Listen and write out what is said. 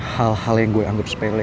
hal hal yang gue anggap sepele